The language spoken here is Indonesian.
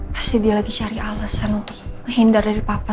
pasti dia lagi cari alasan untuk menghindar dari papa